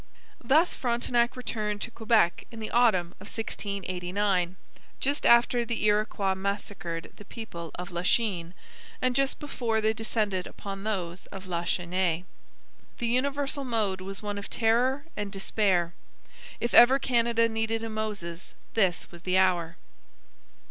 Thus Frontenac returned to Quebec in the autumn of 1689, just after the Iroquois massacred the people of Lachine and just before they descended upon those of La Chesnaye. The universal mood was one of terror and despair. If ever Canada needed a Moses this was the hour.